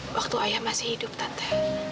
waktu ayah masih hidup tante